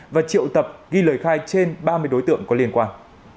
và triệu tập ghi lời khai trên ba mươi đối tượng có liên quan